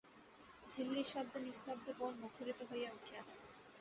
ঝিল্লির শব্দে নিস্তব্ধ বন মুখরিত হইয়া উঠিয়াছে।